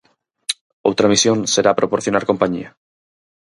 Outra misión será proporcionar compañía.